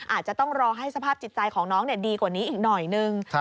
อาจจะต้องรอให้สภาพจิตใจของน้องดีกว่านี้อีกหน่อยนึง